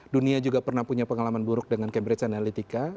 dunia juga pernah punya pengalaman buruk dengan cambridge analytica